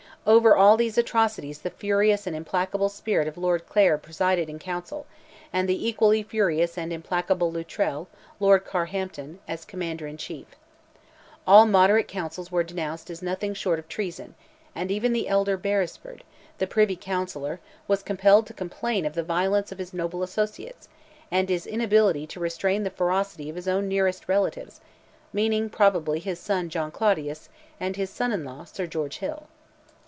Over all these atrocities the furious and implacable spirit of Lord Clare presided in Council, and the equally furious and implacable Luttrel, Lord Carhampton, as Commander in Chief. All moderate councils were denounced as nothing short of treason, and even the elder Beresford, the Privy Counsellor, was compelled to complain of the violence of his noble associates, and his inability to restrain the ferocity of his own nearest relatives—meaning probably his son John Claudius, and his son in law, Sir George Hill.